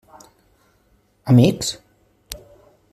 Amics?